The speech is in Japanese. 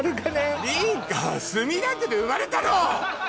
梨花は墨田区で生まれたの！